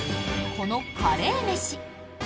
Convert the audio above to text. このカレーメシ。